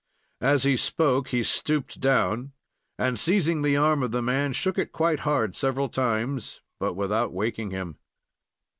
As he spoke, he stooped down, and seizing the arm of the man, shook it quite hard several times, but without waking him.